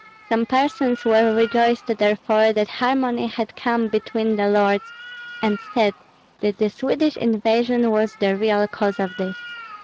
Some persons were rejoiced therefore that harmony had come between the lords, and said that the Swedish invasion was the real cause of this.